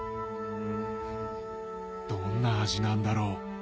どんな味なんだろう？